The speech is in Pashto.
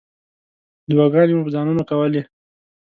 دعاګانې مو په ځانونو کولې.